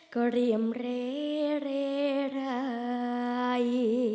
ก็เรียบร้ายร้าย